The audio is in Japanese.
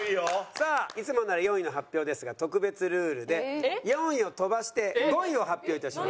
さあいつもなら４位の発表ですが特別ルールで４位を飛ばして５位を発表いたします。